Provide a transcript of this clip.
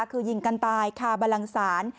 คือยิงกันตายคาบลังศาล